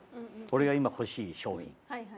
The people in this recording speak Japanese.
俺が今欲しい商品。